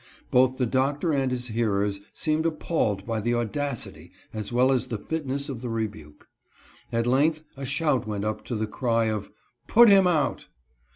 Both the Doctor and his hearers seemed appalled by the audacity, as well as the fitness of the rebuke. At length a shout went up to the cry of "Put him out!"